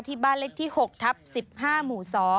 บ้านเล็กที่๖ทับ๑๕หมู่๒